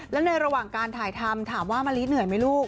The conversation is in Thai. แล้วในระหว่างการถ่ายทำถามว่ามะลิเหนื่อยไหมลูก